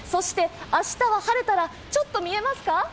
明日は晴れたら、ちょっと見えますか？